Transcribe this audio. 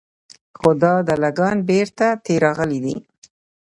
خو دا دله ګان بېرته تې راغلي دي.